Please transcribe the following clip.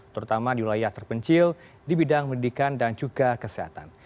terutama di wilayah terpencil di bidang pendidikan dan juga kesehatan